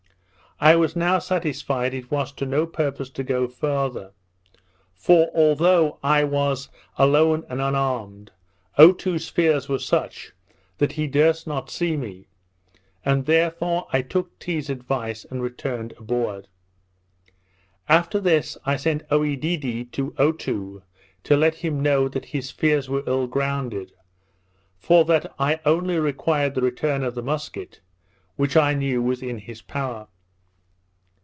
I was now satisfied it was to no purpose to go farther; for, although I was alone and unarmed, Otoo's fears were such, that he durst not see me; and, therefore, I took Tee's advice, and returned aboard. After this I sent Oedidee to Otoo to let him know that his fears were ill grounded; for that I only required the return of the musket, which I knew was in his power.